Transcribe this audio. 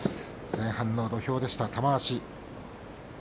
前半の土俵でした、玉鷲。